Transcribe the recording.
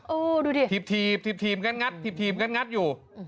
อื้อดูดิทีบทีบทีบทีมกันงัดทีบทีมกันงัดอยู่